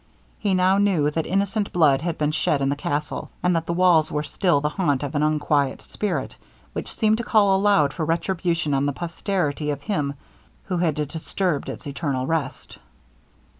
He now knew that innocent blood had been shed in the castle, and that the walls were still the haunt of an unquiet spirit, which seemed to call aloud for retribution on the posterity of him who had disturbed its eternal rest.